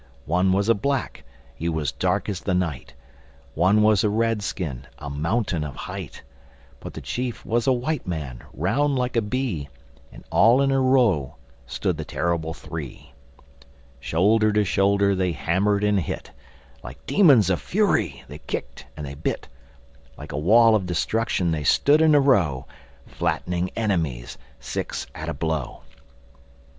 One was a Black—he was dark as the night; One was a Red skin, a mountain of height; But the chief was a White Man, round like a bee; And all in a row stood the Terrible Three. Shoulder to shoulder, they hammered and hit. Like demons of fury they kicked and they bit. Like a wall of destruction they stood in a row, Flattening enemies, six at a blow.